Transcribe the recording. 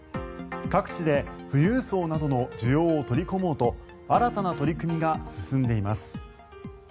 各地で富裕層などの需要を取り込もうと新たな取り組みが進んでいます。